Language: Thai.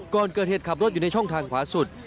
ก่อนเกิดเหตุขับรถอยู่ในช่องทางขวาสุด